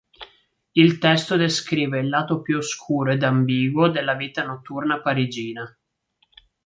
Il testo descrive il lato più oscuro ed ambiguo della vita notturna parigina.